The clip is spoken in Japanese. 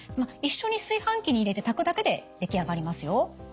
一緒に炊飯器に入れて炊くだけで出来上がりますよ。